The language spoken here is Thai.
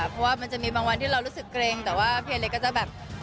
เพราะว่ามันจะมีบางวันที่เรารู้สึกเกรงแต่ว่าเพลงเล็กก็จะแบบ